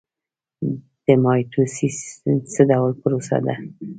مایټوسیس څه ډول پروسه ده؟